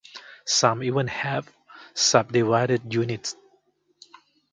Some even have subdivided units.